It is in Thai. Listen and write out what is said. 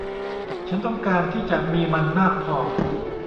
ฉันต้องการที่จะมีมันมากพอ